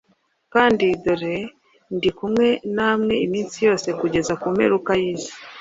Kandi dore ndi kumwe namwe iminsi yose kugeza ku mperuka y’isi